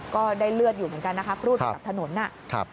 ก็ได้เลือดอยู่เหมือนกันนะคะครูดไปกับถนนนะครับ